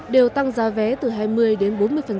đều tăng giá vé từ hai mươi đến bốn mươi